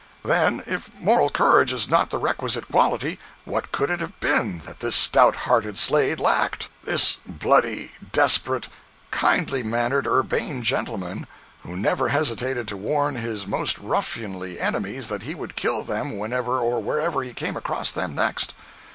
Then, if moral courage is not the requisite quality, what could it have been that this stout hearted Slade lacked?—this bloody, desperate, kindly mannered, urbane gentleman, who never hesitated to warn his most ruffianly enemies that he would kill them whenever or wherever he came across them next!